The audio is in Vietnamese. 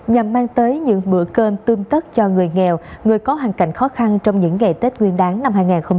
nhằm mang tới những bữa cơm tươm tất cho người nghèo người có hoàn cảnh khó khăn trong những ngày tết nguyên đáng năm hai nghìn hai mươi bốn